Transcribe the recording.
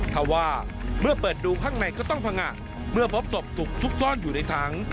ถ้าว่าเมื่อเปิดดูข้างในก็ต้องพังงะเมื่อพบศพถูกซุกซ่อนอยู่ในถัง